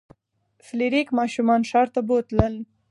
فلیریک ماشومان ښار ته بوتلل.